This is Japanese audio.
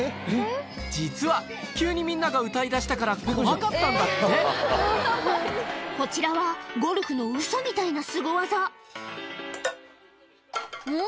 実は急にみんなが歌いだしたから怖かったんだってこちらはゴルフのウソみたいなすご技うん？